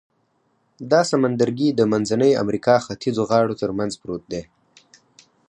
دا سمندرګي د منځنۍ امریکا ختیځو غاړو تر منځ پروت دی.